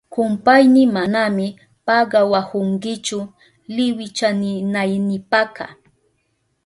Kumpayni, manami pagawahunkichu liwiyachinaynipaka.